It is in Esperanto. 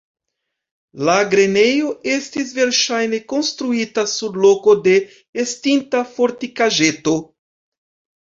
La grenejo estis verŝajne konstruita sur loko de estinta fortikaĵeto.